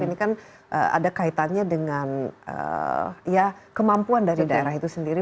ini kan ada kaitannya dengan ya kemampuan dari daerah itu sendiri